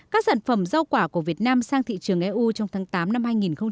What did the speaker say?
các sản phẩm rau quả của việt nam sang thị trường eu trong tháng tám năm hai nghìn hai mươi